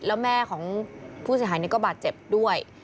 แล้วแม่ของผู้เสียหายก็บาดเจ็บด้วย